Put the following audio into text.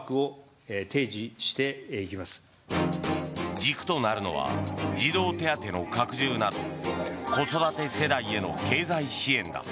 軸となるのは児童手当の拡充など子育て世代への経済支援だ。